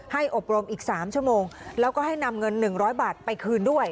ให้อบรมอีกสามชั่วโมงแล้วก็ให้นำเงินหนึ่งร้อยบาทไปคืนด้วย